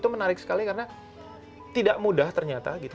itu menarik sekali karena tidak mudah ternyata gitu